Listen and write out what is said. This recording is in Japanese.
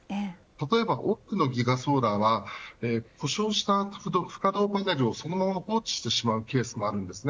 例えば多くのギガソーラーは故障した不稼働パネルをそのまま放置してしまうケースがあります。